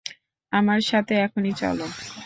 আমার সাথে এখনি চলো।